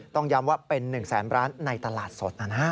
ต้องย้ำว่าเป็น๑แสนร้านในตลาดสดนะฮะ